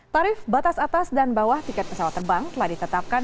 tarif batas atas dan bawah tiket pesawat terbang telah ditetapkan